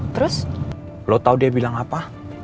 terus lo tau dia bilang apa